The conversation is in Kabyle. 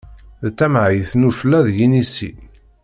D tamɛayt n ufellaḥ d yinisi.